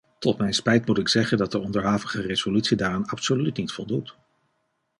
Tot mijn spijt moet ik zeggen dat de onderhavige resolutie daaraan absoluut niet voldoet.